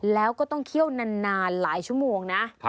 แล้วก็ต้องเคี่ยวนานหลายชั่วโมงนะ